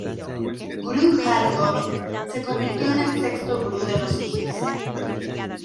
Gurú Har Gobind se convirtió en el sexto gurú de los sijes.